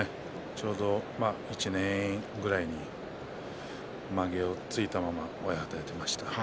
ちょうど１年ぐらいまげがついたまま親方をやっていました。